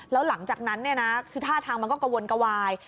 แล้วหลังจากนั้นคือท่าทางมันก็กระวนกระวาย